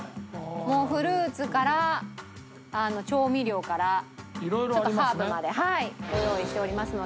もうフルーツから調味料からちょっとハーブまでご用意しておりますので。